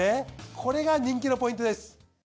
これが人気のポイントです。